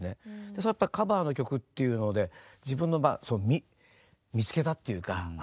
それやっぱカバーの曲っていうので自分のまあ見つけたっていうかあ